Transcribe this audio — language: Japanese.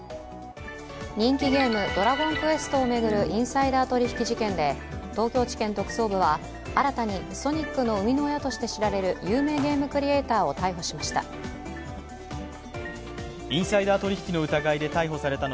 人気ゲーム「ドラゴンクエスト」を巡るインサイダー取引事件で、東京地検特捜部は新たにソニックの生みの親として知られる有名ゲームクリエイターを逮捕しました。